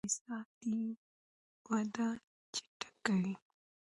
امنیت اقتصادي وده چټکوي.